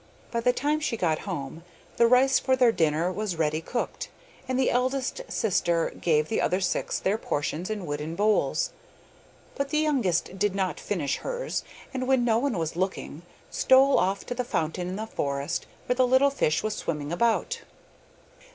By the time she got home, the rice for their dinner was ready cooked, and the eldest sister gave the other six their portions in wooden bowls. But the youngest did not finish hers, and when no one was looking, stole off to the fountain in the forest where the little fish was swimming about.